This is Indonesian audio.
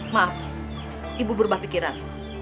maaf ibu berubah pikiran